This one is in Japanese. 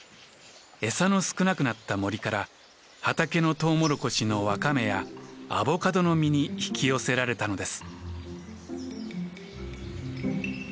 餌の少なくなった森から畑のトウモロコシの若芽やアボカドの実に引き寄せられたのです。